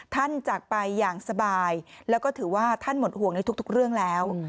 จากไปอย่างสบายแล้วก็ถือว่าท่านหมดห่วงในทุกเรื่องแล้ว